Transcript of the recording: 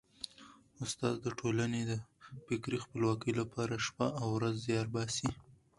استاد د ټولني د فکري خپلواکۍ لپاره شپه او ورځ زیار باسي.